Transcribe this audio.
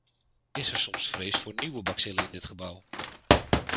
Is er soms vrees voor nieuwe bacillen in dit gebouw?